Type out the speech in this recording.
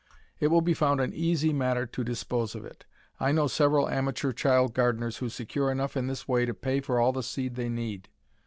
It will be found an easy matter to dispose of it. I know several amateur child gardeners who secure enough in this way to pay for all the seed they need.